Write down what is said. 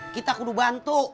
kita kudu bantu